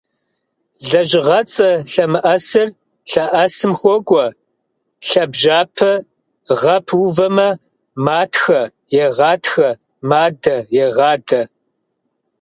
Лэжьыгъэцӏэ лъэмыӏэсыр лъэӏэсым хуокӏуэ лъабжьэпэ - гъэ пыувэмэ: матхэ - егъатхэ, мадэ - егъадэ.